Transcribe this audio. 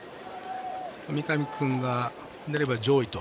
三上君が出れば上位。